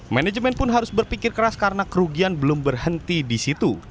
manajemen pun harus berpikir keras karena kerugian belum berhenti di situ